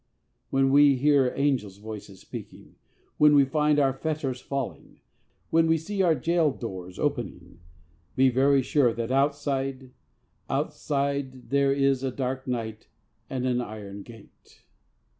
When we hear angels' voices speaking, when we find our fetters falling, when we see our jail doors opening, be very sure that outside, outside, there is a dark night and an iron gate!